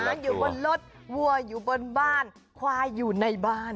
อยู่บนรถวัวอยู่บนบ้านควายอยู่ในบ้าน